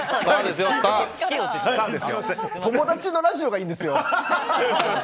友達のラジオがいいんですよ。